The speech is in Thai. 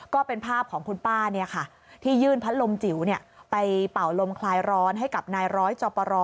ก็เป็นภาพของคุณป้าที่ยื่นพัดลมจิ๋วไปเป่าลมคลายร้อนให้กับนายร้อยจอปร